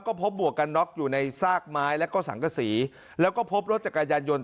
ก็พบหมวกกันน็อกอยู่ในซากไม้แล้วก็สังกษีแล้วก็พบรถจักรยานยนต์